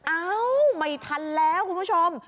เอ้าไม่ทันแล้วคุณผู้ชม